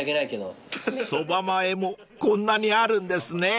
［そば前もこんなにあるんですね］